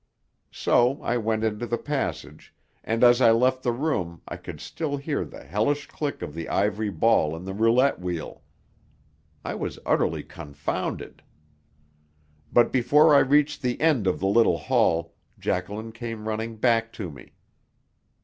So I went into the passage; and as I left the room I could still hear the hellish click of the ivory ball in the roulette wheel. I was utterly confounded. But before I reached the end of the little hall Jacqueline came running back to me.